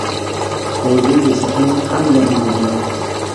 پوځي ډسپلین کاملاً له منځه لاړ.